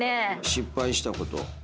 失敗したこと。